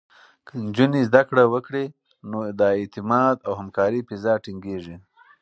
که نجونې زده کړه وکړي، نو د اعتماد او همکارۍ فضا ټینګېږي.